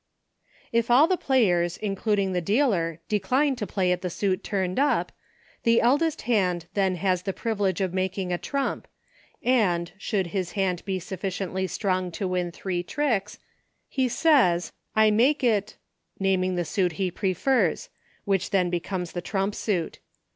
If all the players, including the dealer, de cline to play at the suit turned up, the eldest hand then has the privilege of making a trump, and, should his hand be sufficiently strong to win three tricks, he says, " I make it ," naming the suit he prefers, which then becomes the trump suit.